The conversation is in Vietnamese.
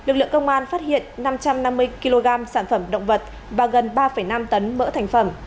lực lượng công an phát hiện năm trăm năm mươi kg sản phẩm động vật và gần ba năm tấn mỡ thành phẩm